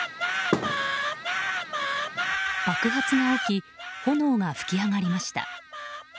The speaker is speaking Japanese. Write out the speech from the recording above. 爆発が起き炎が吹き上がりました。